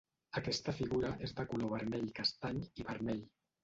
Aquesta figura és de color vermell-castany i vermell.